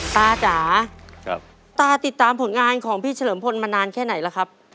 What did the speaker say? จ๋าตาติดตามผลงานของพี่เฉลิมพลมานานแค่ไหนล่ะครับ